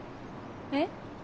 えっ？